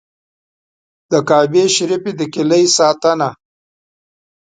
د کعبې شریفې د کیلي ساتنه.